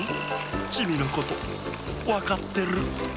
チミのことわかってる。